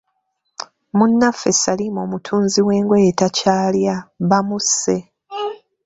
Munnaffe Salim omutunzi w'engoye takyalya, bamusse.